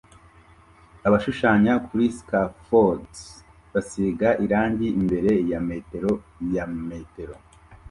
Abashushanya kuri scafolds basiga irangi imbere ya metero ya metero